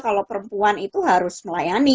kalau perempuan itu harus melayani